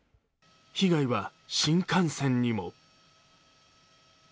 被害は新幹線にも。